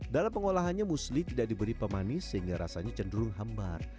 dalam pengolahannya musli tidak diberi pemanis sehingga rasanya cenderung hambar